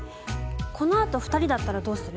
このあと２人だったらどうする？